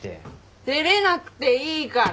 照れなくていいから。